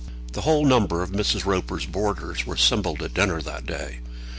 The whole number of Mrs. Roper's boarders were assembled at dinner that day.